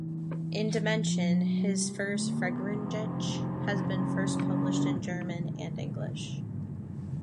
In "Dimension", his long "Feriengedicht" has been first published in German, and English.